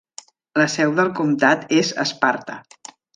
La seu del comtat és Sparta.